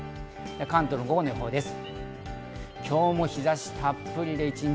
関東の午後の予報です。